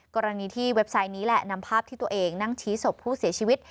กรณีที่เว็บไซต์นี้แหละนำภาพที่ตัวเองนั่งชี้ศพผู้เสียชีวิต